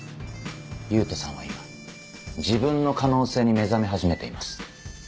勇人さんは今自分の可能性に目覚め始めています。